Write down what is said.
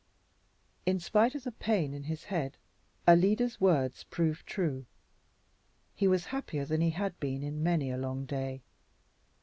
In spite of the pain in his head, Alida's words proved true. He was happier than he had been in many a long day.